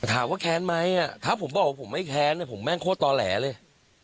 แค้นไหมถ้าผมบอกว่าผมไม่แค้นผมแม่งโคตรต่อแหลเลย